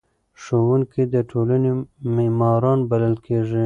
ښوونکي د ټولنې معماران بلل کیږي.